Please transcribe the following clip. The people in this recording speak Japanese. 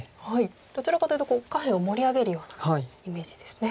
どちらかというと下辺を盛り上げるようなイメージですね。